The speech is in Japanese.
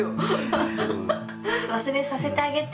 忘れさせてあげて。